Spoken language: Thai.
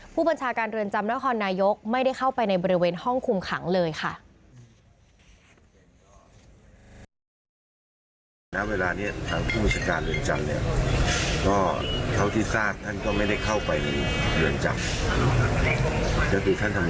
ผู้บัญชาการเรือนจำนครนายกไม่ได้เข้าไปในบริเวณห้องคุมขังเลยค่ะ